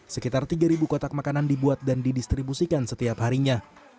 sekitar tiga kotak makanan dibuat dan didistribusikan setiap harinya